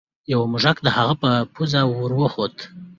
یو موږک د هغه په پوزه ور وخوت.